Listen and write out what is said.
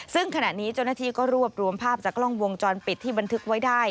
ซึ่งขณะนี้เจ้าหน้าที่ก็รวบรวมภาพจากกล้องวงจรปิดที่บันทึกไว้ได้